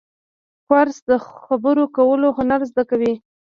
کورس د خبرو کولو هنر زده کوي.